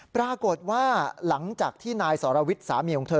ปรากฏว่าหลังจากที่นายสรวิทย์สามีของเธอ